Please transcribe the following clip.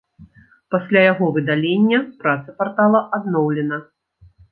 Пасля яго выдалення праца партала адноўлена.